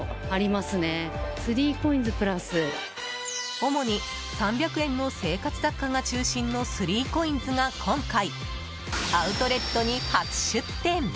主に３００円の生活雑貨が中心のスリーコインズが今回、アウトレットに初出店。